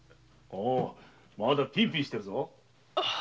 まだピンピンしてるぞ。